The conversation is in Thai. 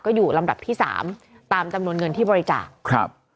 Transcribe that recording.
ก็อยู่ลำดับที่๓ตามจำนวนเงินที่บริจาค